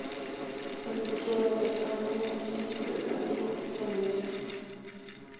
Agricultura de secano y regadío y ganadería.